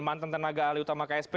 mantan tenaga ahli utama ksp